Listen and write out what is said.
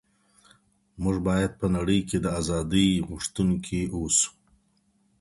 موږ باید په نړۍ کي د ازادۍ غوښتونکي اوسو.